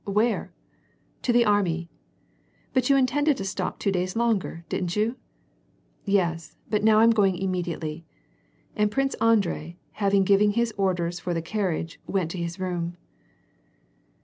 "Where?" "To the army!" "But you intended to stop two days longer, didn't you ?" "Yes, but now I'm going immediately." And Prince Andrei, having given his orders for the carriage, went to his room.